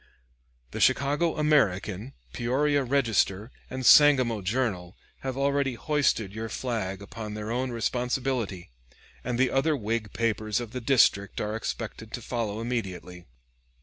The Chicago "American," Peoria "Register," and Sangamo "Journal" have already hoisted your flag upon their own responsibility; and the other Whig papers of the district are expected to follow immediately.